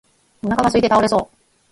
お腹がすいて倒れそう